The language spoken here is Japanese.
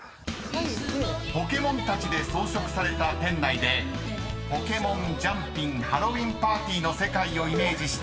［ポケモンたちで装飾された店内でポケモン・ジャンピン・ハロウィーン・パーティの世界をイメージしたメニューを楽しめる］